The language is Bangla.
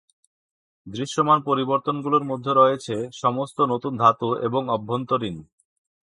দৃশ্যমান পরিবর্তনগুলির মধ্যে রয়েছে সমস্ত নতুন ধাতু এবং অভ্যন্তরীণ।